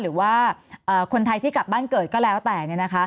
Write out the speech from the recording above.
หรือว่าคนไทยที่กลับบ้านเกิดก็แล้วแต่